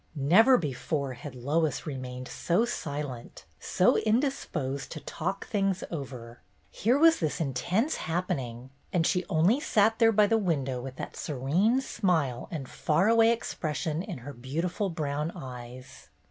Never before had Lois remained so silent, so indisposed to "talk things over." Here was this intense happening, and she only sat there by the window with that serene smile and far away expression in her beautiful brown eyes.